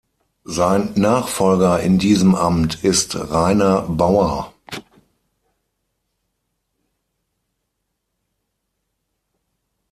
Sein Nachfolger in diesem Amt ist Rainer Bauer.